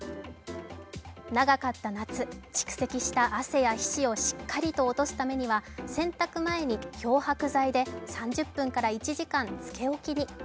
長かった夏、蓄積した汗や皮脂をしっかりと落とすためには洗濯前に漂白剤で３０分から１時間つけ置きに。